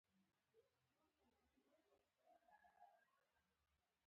عملونه دې بدل کړه ژوند به دې بدل شي.